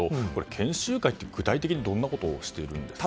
研修会って、具体的にどういうことをしているんですか。